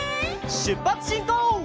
しゅっぱつしんこう！